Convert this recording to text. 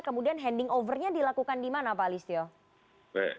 kemudian ending offernya dilakukan di mana pak alistio